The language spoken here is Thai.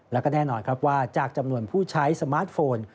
แล้วก็แน่นอนครับว่าจากจำนวนผู้ใช้สมาร์ทโฟน